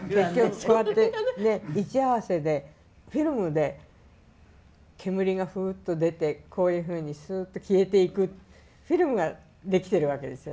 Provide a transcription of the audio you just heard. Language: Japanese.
それでね位置合わせでフィルムで煙がフウッと出てこういうふうにスーッと消えていくフィルムができてるわけですよね。